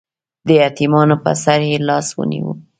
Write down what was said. د یتیمانو په سر یې لاس ونیو.